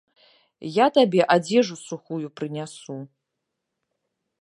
Я табе адзежу сухую прынясу.